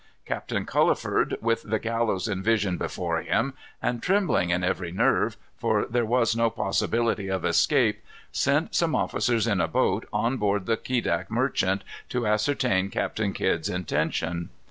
Captain Culliford, with the gallows in vision before him, and trembling in every nerve, for there was no possibility of escape, sent some officers, in a boat, on board the Quedagh Merchant, to ascertain Captain Kidd's intention.